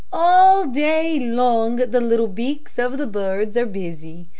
All day long, the little beaks of the birds are busy.